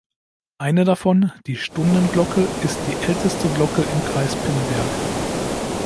Eine davon, die Stundenglocke, ist die älteste Glocke im Kreis Pinneberg.